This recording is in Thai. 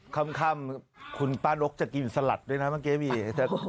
ค่ำคุณป้านกจะกินสลัดด้วยนะเมื่อกี้มี